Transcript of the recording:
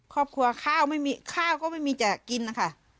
ครอบครัวข้าวไม่มีข้าวก็ไม่มีจะกินนะคะ